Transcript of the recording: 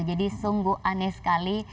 jadi sungguh aneh sekali